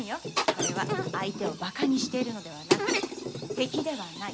これは相手をバカにしているのではなく「敵ではない」